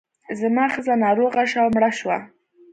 زما ښځه ناروغه شوه او مړه شوه.